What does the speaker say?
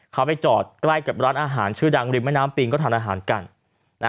เขาไปจอดใกล้กับร้านอาหารชื่อดังริมแม่น้ำปิงก็ทานอาหารกันนะ